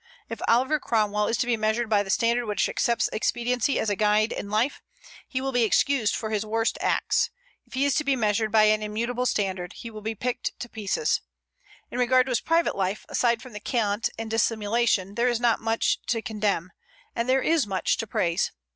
If Oliver Cromwell is to be measured by the standard which accepts expediency as a guide in life, he will be excused for his worst acts. If he is to be measured by an immutable standard, he will be picked to pieces. In regard to his private life, aside from cant and dissimulation, there is not much to condemn, and there is much to praise.